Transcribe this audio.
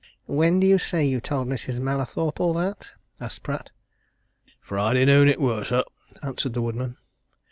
"When do you say you told Mrs. Mallathorpe all that?" asked Pratt. "Friday noon it were, sir," answered the woodman.